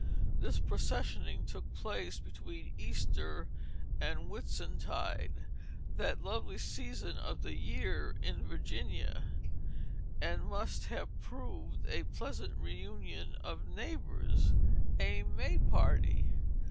This processioning took place between Easter and Whitsuntide, that lovely season of the year in Virginia; and must have proved a pleasant reunion of neighbors, a May party.